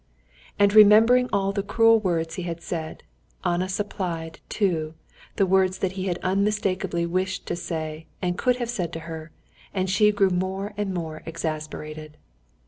And remembering all the cruel words he had said, Anna supplied, too, the words that he had unmistakably wished to say and could have said to her, and she grew more and more exasperated.